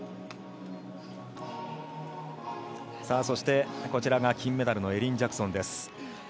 そして、金メダルのエリン・ジャクソンです。